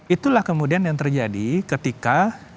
itulah kemudian yang terjadi ketika